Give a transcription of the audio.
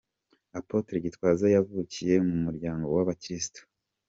Apôtre Gitwaza yavukiye mu muryango w’abakirisito.